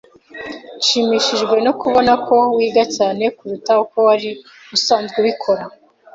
Nshimishijwe no kubona ko wiga cyane kuruta uko wari usanzwe ubikora.